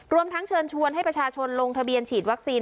รวมทั้งเชิญชวนให้ประชาชนลงทะเบียนฉีดวัคซีน